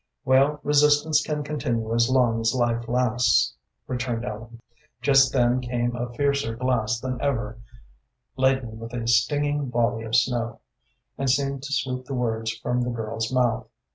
"Well, resistance can continue as long as life lasts," returned Ellen. Just then came a fiercer blast than ever, laden with a stinging volley of snow, and seemed to sweep the words from the girl's mouth.